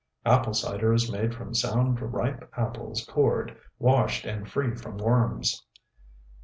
Apple Cider is made from sound ripe apples cored, washed and free from worms.